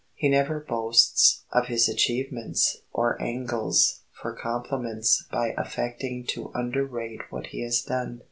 He never boasts of his achievements or angles for compliments by affecting to underrate what he has done.